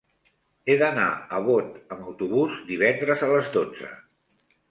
He d'anar a Bot amb autobús divendres a les dotze.